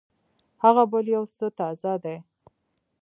هغه بل يو څه تازه دی.